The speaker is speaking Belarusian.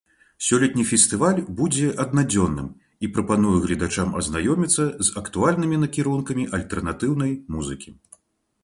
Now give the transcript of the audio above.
Сёлетні фестываль будзе аднадзённым і прапануе гледачам азнаёміцца з актуальнымі накірункамі альтэрнатыўнай музыкі.